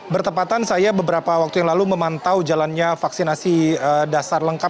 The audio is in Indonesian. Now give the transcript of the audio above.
bertepatan saya beberapa waktu yang lalu memantau jalannya vaksinasi dasar lengkap